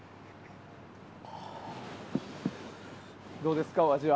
どうですか、お味は。